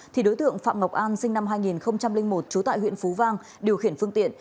thì đối tượng phạm ngọc an sinh năm hai nghìn một trú tại huyện phú vang điều khiển phương tiện